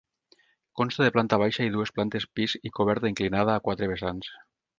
Consta de planta baixa i dues plantes pis i coberta inclinada a quatre vessants.